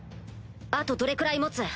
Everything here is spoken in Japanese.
あとどれくらい持つ？